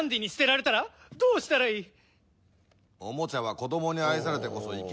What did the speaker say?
どうしたらいい？